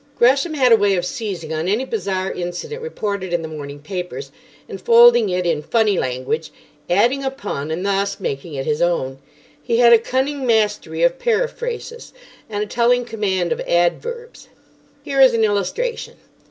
Gresham had a way of seizing on any bizarre incident reported in the morning papers, enfolding it in "funny language," adding a pun, and thus making it his own. He had a cunning mastery of periphrasis, and a telling command of adverbs. Here is an illustration.